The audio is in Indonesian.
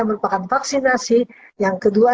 merupakan vaksinasi yang kedua